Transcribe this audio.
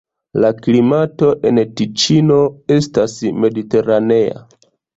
La klimato en Tiĉino estas mediteranea.